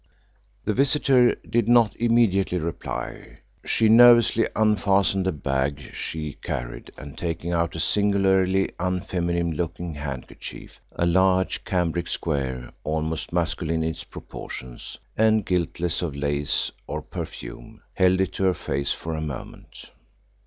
The visitor did not immediately reply. She nervously unfastened a bag she carried, and taking out a singularly unfeminine looking handkerchief a large cambric square almost masculine in its proportions, and guiltless of lace or perfume held it to her face for a moment.